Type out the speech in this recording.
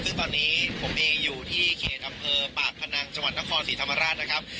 ซึ่งตอนนี้ผมเองอยู่ที่เขตอำเภอปากพนังจังหวัดนครศรีธรรมราชนะครับ